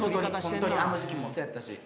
あの時期もそうやったし。